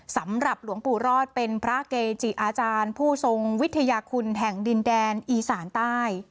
สำหรับหลวงปู่รอดเป็นพระเกจิอาจารย์ผู้ทรงวิทยาคุณแห่งดินแดนอีสานใต้